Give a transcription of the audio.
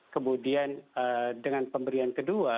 kemudian dengan pemberian kedua